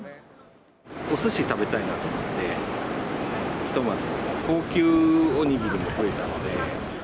おすし食べたいなと思って、ひとまず高級おにぎりも増えたので。